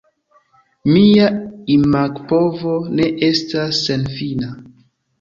Mia imagpovo ne estas senfina.